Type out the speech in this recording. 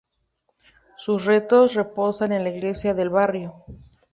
Sus restos reposan en la iglesia del barrio.